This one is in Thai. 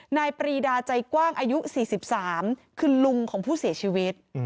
ปรีดาใจกว้างอายุ๔๓คือลุงของผู้เสียชีวิต